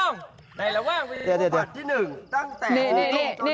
ในระว่างวิธีปกฎิหนึ่งตั้งแต่นี่นี่นี่